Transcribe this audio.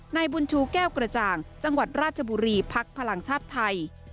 นายบุญธูแก้วกระจ่างจังหวัดราชบดินฤทธิ์ผลักษณ์ชาติไทย